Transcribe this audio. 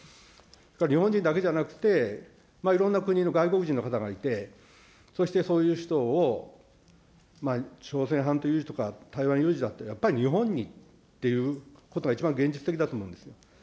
それから日本人だけじゃなくて、いろんな国の外国人の方がいて、そしてそういう人を朝鮮半島有事とか、台湾有事だったら、やっぱり日本にっていうことが一番現実的だと思うんです。